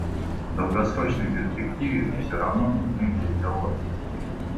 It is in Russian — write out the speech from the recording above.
В долгосрочной перспективе всё равно нужны переговоры.